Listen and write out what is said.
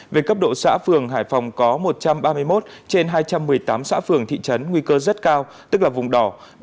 về cấp độ xã phường hải phòng có một trăm ba mươi một trên hai trăm một mươi tám xã phường thị trấn nguy cơ rất cao tức là vùng đỏ